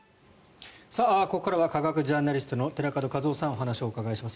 ここからは科学ジャーナリストの寺門和夫さんにお話をお伺いします。